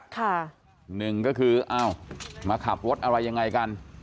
ค่ะนึกก็คือมาขับรถอะไรยังไงกัน